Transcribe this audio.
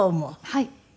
はい。